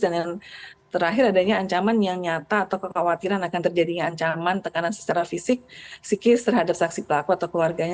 dan yang terakhir adanya ancaman yang nyata atau kekhawatiran akan terjadinya ancaman tekanan secara fisik sikis terhadap saksi pelaku atau keluarganya